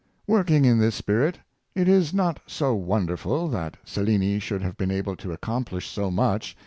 Working in this spirit, it is not so wonderful that Cellini should have been able to accomplish so much.